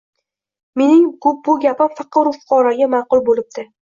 Mening bu gapim faqir-u fuqaroga ma’qul bo‘libdi,.